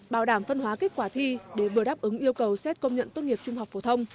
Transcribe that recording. bảo đảm phân hóa kết quả thi để vừa đáp ứng yêu cầu xét công nhận tốt nghiệp trung học phổ thông